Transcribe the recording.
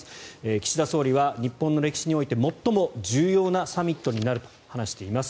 岸田総理は、日本の歴史において最も重要なサミットになると話しています。